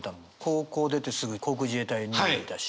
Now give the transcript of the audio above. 高校を出てすぐ航空自衛隊に２年いたし。